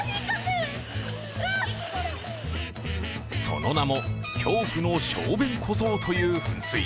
その名も、恐怖の小便小僧という噴水。